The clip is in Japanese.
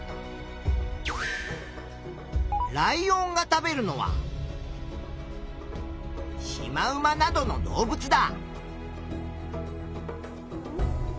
ライオンが食べるのはシマウマなどの動物だ。